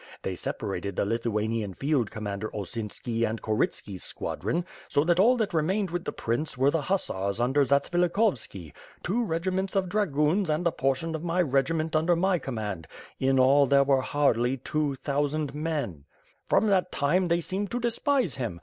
They separated the Lithuanian field commander Osin ski and Korytski's squadron; so that all that remained with the prince were the Hussars under Zatsvilikhowski, two regiments of dragoons and a portion of my regiment under my com mand; in all, there were hardly two thousand men. Prom jIO ^^^^^^^^^^^ i8WO/2Z). that time, they seemed to despise him.